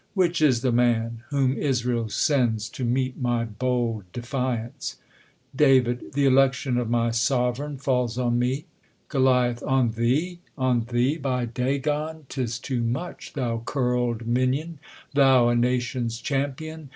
Which is the man, Whom Israel sends to meet my bold defiance ? Dav, Th' election of my sov'reii^n falls on me. ^ GuL On thee! on thee ! by Dagon, 'tis too much I Thou curled minion ! thou a nation's champion